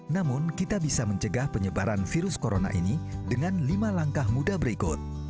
namun kita bisa mencegah penyebaran virus corona ini dengan lima langkah muda berikut